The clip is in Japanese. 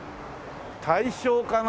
大正かな？